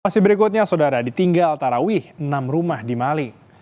masih berikutnya saudara ditinggal tarawih enam rumah di mali